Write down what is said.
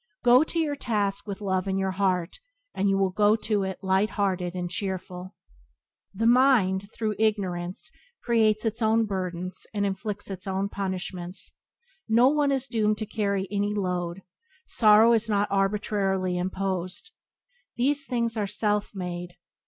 Go to your task with love in your heart and you will go to it light hearted and cheerful. Byways to Blessedness by James Allen 19 The mind, through ignorance creates its own burdens and inflicts its own punishments. No one is doomed to carry any load. Sorrow is not arbitrarily imposed. These things are self made.